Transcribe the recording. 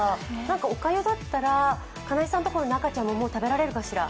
おかゆだったら、金井さんのところの赤ちゃんももう食べられるかしら。